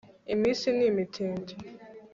iminsi ni imitindi